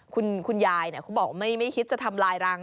คุณยายเขาบอกไม่คิดจะทำลายรัง